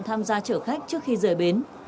tham gia chở khách trước khi rời bến